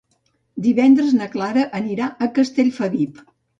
Divendres na Clara anirà a Castellfabib.